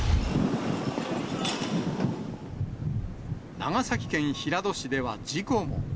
長崎県平戸市では事故も。